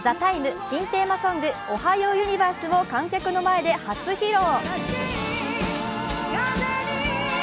新テーマソング、「おはようユニバース」も観客の前で初披露。